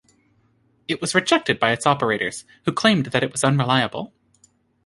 It was rejected by its operators, who claimed that it was unreliable.